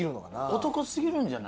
男過ぎるんじゃない？